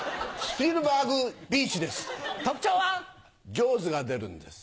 ジョーズが出るんです。